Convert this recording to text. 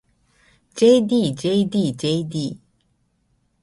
ｊｄｊｄｊｄ